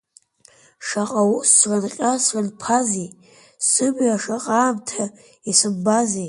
Шаҟа ус срынҟьа срынԥазеи, сымҩа шаҟаамҭа исымбазеи.